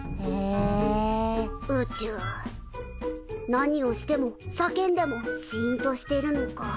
何をしてもさけんでもシーンとしてるのか。